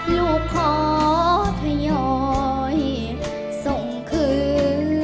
ลูกขอทยอยส่งคืน